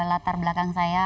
latar belakang saya